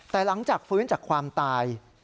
แต่หลังจากฟื้นจากความตาย